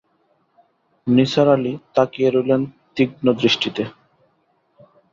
নিসার আলি তাকিয়ে রইলেন তীক্ষ্ণ দৃষ্টিতে।